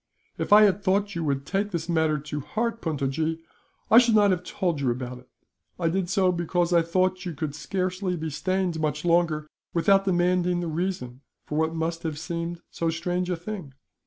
"If I had thought you would take this matter to heart, Puntojee, I should not have told you about it. I did so because I thought you could scarcely be stained, much longer, without demanding the reason for what must have seemed so strange a thing.